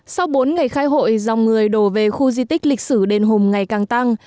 sau bốn ngày khai hội dòng người đổ về khu di tích lịch sử đền hùng ngày càng tăng